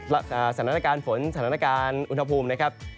สถานการณ์ฝนสถานการณ์อุณหภูมินะครับ